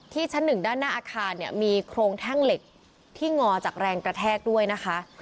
ชั้นหนึ่งด้านหน้าอาคารเนี่ยมีโครงแท่งเหล็กที่งอจากแรงกระแทกด้วยนะคะ